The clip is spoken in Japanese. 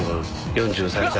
４３歳。